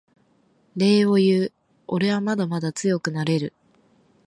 礼を言うおれはまだまだ強くなれる